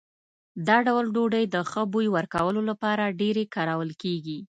دا ډول ډوډۍ د ښه بوی ورکولو لپاره ډېرې کارول کېږي.